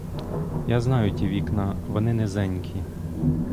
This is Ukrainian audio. Я знаю ті вікна, вони низенькі.